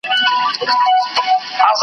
چي په پانوس کي سوځېدلي وي پښېمانه نه ځي .